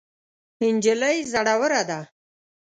نجلۍ زړوره ده.